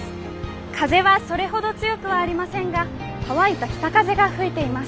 風はそれほど強くはありませんが乾いた北風が吹いています。